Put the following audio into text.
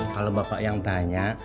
kalau bapak yang tanya